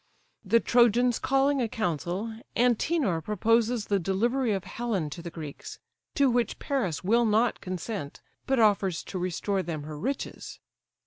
The Trojans calling a council, Antenor purposes the delivery of Helen to the Greeks, to which Paris will not consent, but offers to restore them her riches.